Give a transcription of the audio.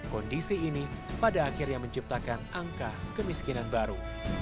kondisi ini pada akhirnya menciptakan angka kemiskinan baru